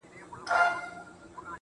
زما خوبـونو پــه واوښـتـل~